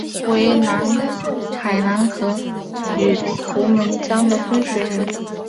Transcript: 为海兰河与图们江的分水岭。